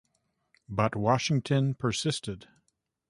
But Washington persisted.